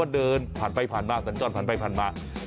เดินสันถ์จนผ่านไปผ่านมา